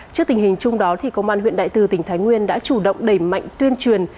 trước tình hình chung đó công an huyện đại từ tỉnh thái nguyên đã chủ động đẩy mạnh tuyên truyền